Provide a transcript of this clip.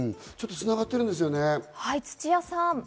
繋がってるんですよね。